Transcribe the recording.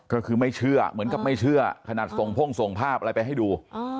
ก็คือไม่เชื่อเหมือนกับไม่เชื่อขนาดส่งพ่งส่งภาพอะไรไปให้ดู